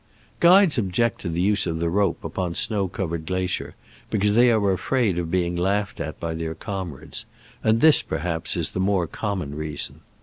Guides object to the use of the rope upon snow covered glacier, because they are afraid of being laughed at by their comrades ; and this, perhaps, is the more common reason.